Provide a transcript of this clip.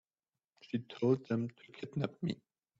She told them to kidnap me.